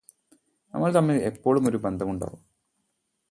നമ്മൾ തമ്മിൽ എപ്പോളുമൊരു ബന്ധമുണ്ടാവും